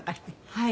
はい。